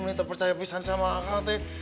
menurut percaya pisang sama akang teh